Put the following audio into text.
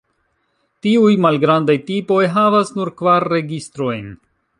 Tiuj malgrandaj tipoj havas nur kvar registrojn.